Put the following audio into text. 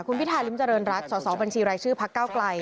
คุณพิธาริมเจริญรัฐสอสอบัญชีรายชื่อพักเก้าไกล